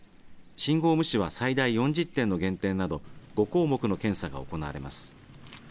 信号無視は最大４０点の減点など５項目の検査が行われます。